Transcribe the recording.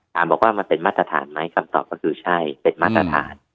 บอกว่ามันเป็นมาตรฐานไหมคำตอบก็คือใช่เป็นมาตรฐาน